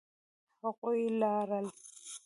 هغوی لاړل.